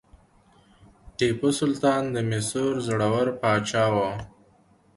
ټیپو سلطان د میسور زړور پاچا و.